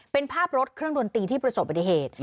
เป็นภาพรถเครื่องดนตรีที่ประสบปฏิเหตุ